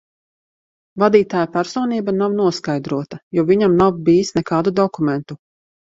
Vadītāja personība nav noskaidrota, jo viņam nav bijis nekādu dokumentu.